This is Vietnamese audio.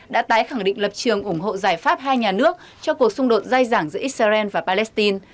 đã tái khẳng định lập trường ủng hộ giải pháp hai nhà nước cho cuộc xung đột dai dẳng giữa israel và palestine